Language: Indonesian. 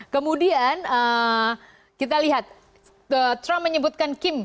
kemudian kita lihat trump menyebutkan kim